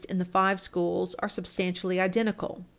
349 in the five schools are substantially identical.